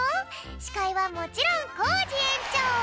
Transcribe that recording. しかいはもちろんコージえんちょう！